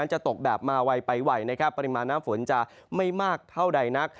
จะตกแบบมาไวไปไวนะครับปริมาณน้ำฝนจะไม่มากเท่าใดนัก